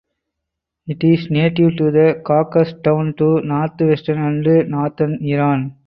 It is native to the Caucasus down to north western and northern Iran.